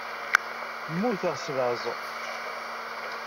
Mmuteɣ s laẓ.